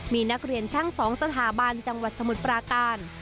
มีนักเรียนช่าง๒สถาบันจังหวัดสมุทรปราการ